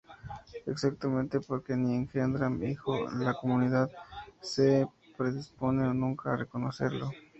Exactamente porque ni engendra hijo ni la comunidad se predispone nunca a reconocerlo.